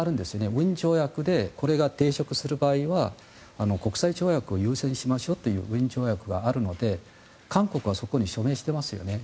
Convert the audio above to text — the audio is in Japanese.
ウィーン条約でこれに抵触する場合は国際条約を優先しましょうというウィーン条約があるので韓国はそこに署名していますよね。